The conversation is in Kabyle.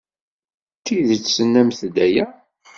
D tidet tennamt-d aya?